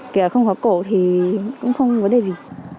kể cả không có cổ thì cũng không có đầy gì